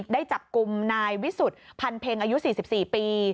ได้จับกลุ่มนายวิสุทธิ์พันเพ็งอายุ๔๔ปี